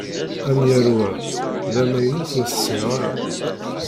Amyaru-a d amaynut ur t-ssineɣ ara.